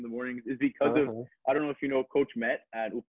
adalah karena gue ga tahu kalo lo tau coach matt di uph